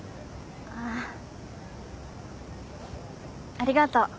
ありがとう。